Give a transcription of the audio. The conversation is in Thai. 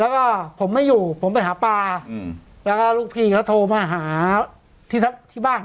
แล้วก็ผมไม่อยู่ผมไปหาปลาอืมแล้วก็ลูกพี่เขาโทรมาหาที่บ้าน